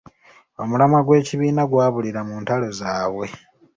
Omulamwa gw’ekibiina gwabulira mu ntalo zaabwe.